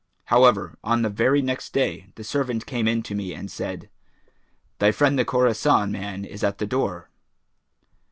However, on the very next day, the servant came in to me and said, 'Thy friend the Khorasan man is at the door.'